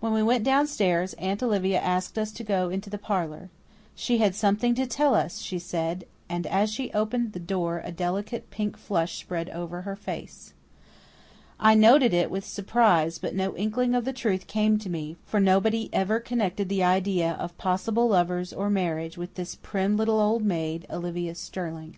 When we went downstairs, Aunt Olivia asked us to go into the parlour. She had something to tell us, she said, and as she opened the door a delicate pink flush spread over her face. I noted it, with surprise, but no inkling of the truth came to me for nobody ever connected the idea of possible lovers or marriage with this prim little old maid, Olivia Sterling.